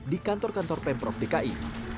di kantor kantor pemprov dki